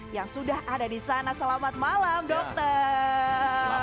yang sudah ada di sana selamat malam dokter